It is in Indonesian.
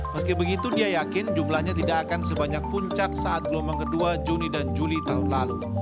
meski begitu dia yakin jumlahnya tidak akan sebanyak puncak saat gelombang kedua juni dan juli tahun lalu